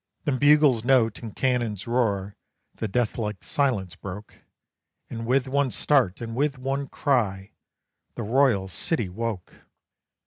Then bugle's note and cannon's roar the deathlike silence broke, And with one start, and with one cry, the royal city woke.